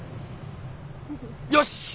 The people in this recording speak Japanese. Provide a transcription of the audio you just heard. よし！